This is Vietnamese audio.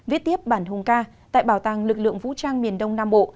viết tiếp bản hùng ca tại bảo tàng lực lượng vũ trang miền đông nam bộ